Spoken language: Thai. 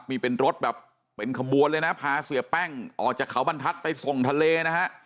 นี่เป็นรถแบบเป็นขบวนเลยนะพาเสียแป้งออกจากเขาบรรทัศน์ไปส่งทะเลนะฮะ